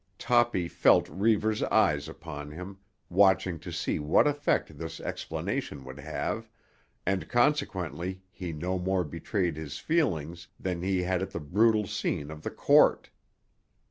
Toppy felt Reivers' eyes upon him, watching to see what effect this explanation would have, and consequently he no more betrayed his feelings than he had at the brutal scenes of the "court."